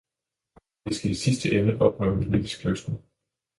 Vi skal i sidste ende opnå en politisk løsning.